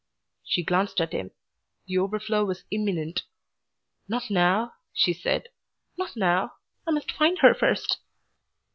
She glanced at him. The overflow was imminent. "Not now," she said, "not now. I must find her first."